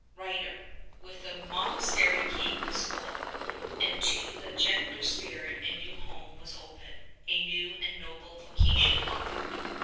123 writer, "with the monastery came the school, and to the gentler spirit a new home was Open, a new and noble voca tion offered.